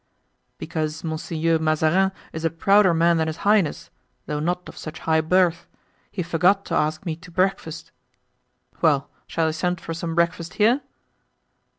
"Because Monseigneur Mazarin is a prouder man than his highness, though not of such high birth: he forgot to ask me to breakfast." "Well, shall I send for some breakfast here?"